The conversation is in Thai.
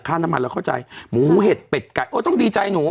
น้ำมันเราเข้าใจหมูเห็ดเป็ดไก่เออต้องดีใจหนู